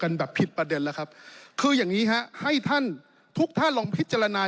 แบบผิดประเด็นแล้วครับคืออย่างนี้ฮะให้ท่านทุกท่านลองพิจารณา